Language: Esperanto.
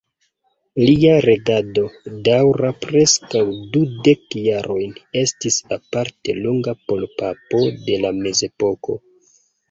Lia regado, daŭra preskaŭ dudek jarojn, estis aparte longa por papo de la Mezepoko.